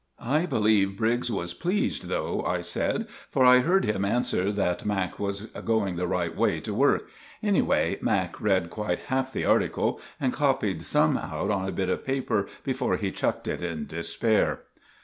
"I believe Briggs was pleased, though," I said, "for I heard him answer that Mac. was going the right way to work. Anyway, Mac. read quite half the article and copied some out on a bit of paper before he chucked it in despair."